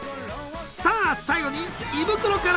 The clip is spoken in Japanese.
さあ最後に胃袋から。